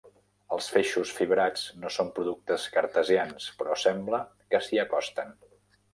Els feixos fibrats no són productes cartesians, però sembla que s'hi acosten.